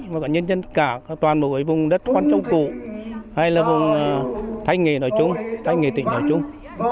mà cả nhân dân cả toàn bộ vùng đất khoan trông cụ hay là vùng thái nghề tỉnh nói chung